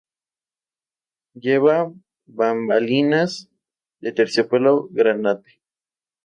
Lleva bambalinas de terciopelo granate.